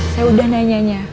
saya udah nanyanya